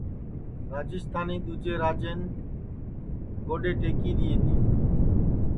جب کہ راجیستانی دؔوجے راجاونے گودؔے ٹئکی دؔیئے تیے